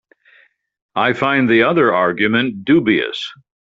I find the other argument dubious.